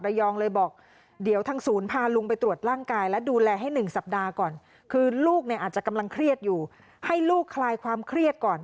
ระยองเลยบอกเดี๋ยวทางศูนย์พาลุงไปตรวจร่างกาย